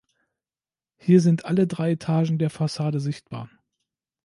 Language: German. Hier sind alle drei Etagen der Fassade sichtbar.